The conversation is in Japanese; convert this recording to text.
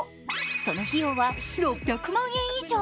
その費用は６００万円以上。